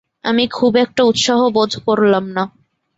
আমি খুব একটা উৎসাহ বোধ করলাম না।